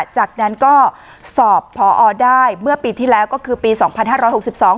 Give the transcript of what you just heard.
จากนั้นก็สอบพอได้เมื่อปีที่แล้วก็คือปีสองพันห้าร้อยหกสิบสอง